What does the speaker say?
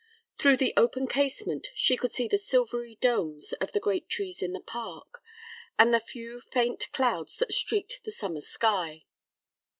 Through the open casement she could see the silvery domes of the great trees in the park and the few faint clouds that streaked the summer sky.